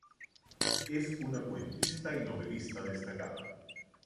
Es una cuentista y novelista destacada.